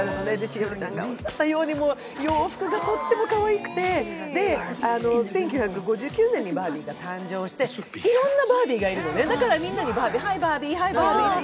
栞里ちゃんがおっしゃったように洋服がとってもかわいくて、１９５９年にバービーが誕生していろんなバービーがいるのね、だからはーい、バービーって。